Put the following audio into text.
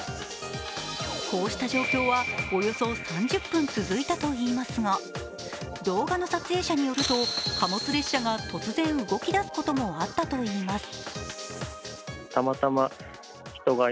こうした状況はおよそ３０分続いたといいますが動画の撮影者によると貨物列車が突然動き出すこともあったといいます。